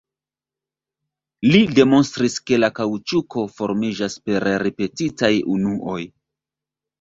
Li demonstris ke la kaŭĉuko formiĝas per ripetitaj unuoj.